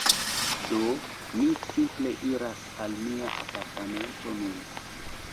Do, ni simple iras al mia apartamento nun